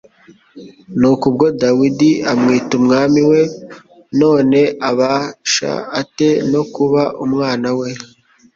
«Nuko ubwo Dawidi amwita Umwami we, none abasha ate no kuba umwana we?